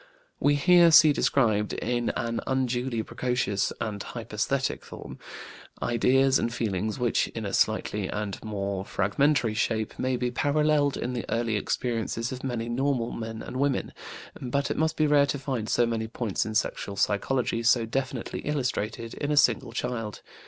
We here see described, in an unduly precocious and hyperesthetic form, ideas and feelings which, in a slighter and more fragmentary shape, may be paralleled in the early experiences of many normal men and women. But it must be rare to find so many points in sexual psychology so definitely illustrated in a single child.